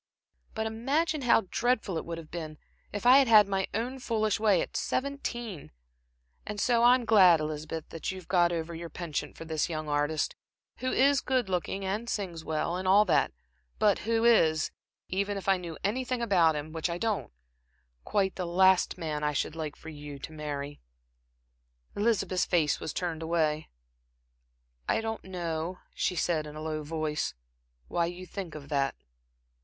But imagine how dreadful it would have been, if I had had my own foolish way at seventeen. And so I am glad, Elizabeth, that you have got over your penchant for this young artist, who is good looking, and sings well, and all that; but who is even if I knew anything about him, which I don't quite the last man I should like you to marry." Elizabeth's face was turned away. "I don't know," she said in a low voice, "why you think of that."